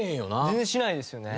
全然しないですよね。